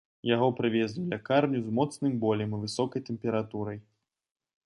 Яго прывезлі ў лякарню з моцным болем і высокай тэмпературай.